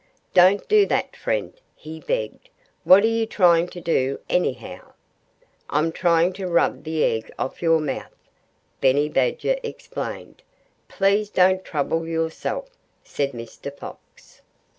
"Don't do that, friend!" he begged. "What are you trying to do, anyhow?" "I'm trying to rub the egg off your mouth," Benny Badger explained. "Please don't trouble yourself," said Mr. Fox.